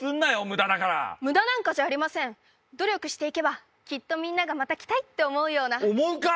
無駄だから無駄なんかじゃありません努力していけばきっとみんながまた来たいって思うような思うか！